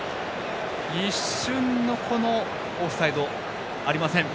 オフサイドありません。